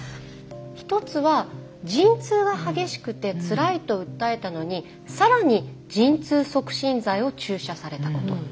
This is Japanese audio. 一つは「陣痛が激しくてつらいと訴えたのに更に陣痛促進剤を注射されたこと」。